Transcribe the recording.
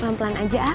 pelan pelan aja a